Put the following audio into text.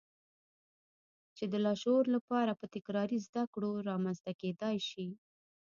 چې د لاشعور لپاره په تکراري زدهکړو رامنځته کېدای شي.